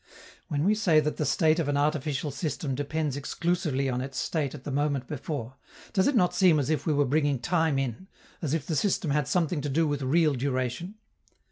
When we say that the state of an artificial system depends exclusively on its state at the moment before, does it not seem as if we were bringing time in, as if the system had something to do with real duration?